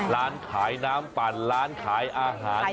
ร้านขายน้ำปั่นร้านขายอาหาร